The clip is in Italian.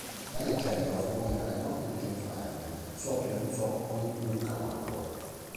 La leggenda lo fa morire alle porte di Gerusalemme sotto gli zoccoli d'un cavallo.